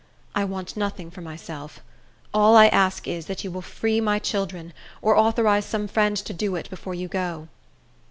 I want nothing for myself; all I ask is, that you will free my children, or authorize some friend to do it, before you go."